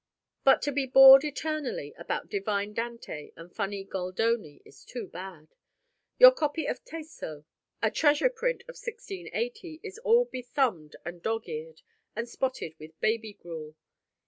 But to be bored eternally about divine Dante and funny Goldoni is too bad. Your copy of Tasso, a treasure print of 1680, is all bethumbed and dog's eared, and spotted with baby gruel.